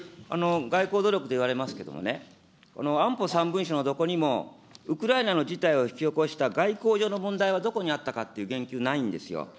外交努力と言われますけどもね、安保３文書のどこにもウクライナの事態を引き起こした外交上の問題はどこにあったかっていう言及ないんですよ。